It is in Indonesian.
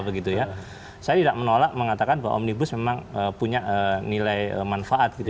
saya tidak menolak mengatakan bahwa omnibus memang punya nilai manfaat gitu ya